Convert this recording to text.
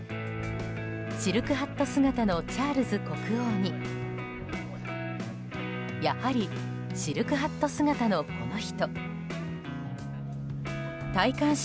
シルクハット姿のチャールズ国王にやはりシルクハット姿のこの人。